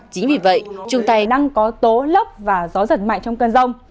chính vì vậy trung tây đang có tố lấp và gió giật mạnh trong cơn rông